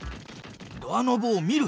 ドアノブを見る。